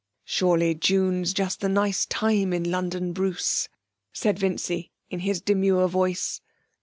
'Surely June's just the nice time in London, Bruce,' said Vincy, in his demure voice.